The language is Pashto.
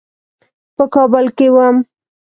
په کابل کې وم.